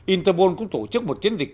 interpol cũng tổ chức một chiến dịch